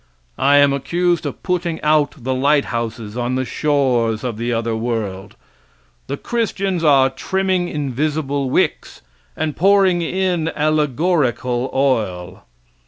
I am accused of putting out the light houses on the shores of the other world. The Christians are trimming invisible wicks and pouring in allegorical oil.